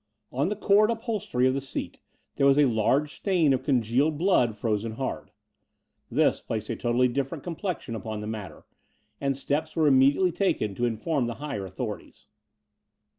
On the cord upholstery of the seat there was a large stain of congealed blood frozen hard. This placed a totally diflferent complexion upon the matter: and steps were immediately taken to in form the higher authorities.